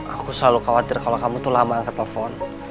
aku selalu khawatir kalau kamu tuh lama ke telepon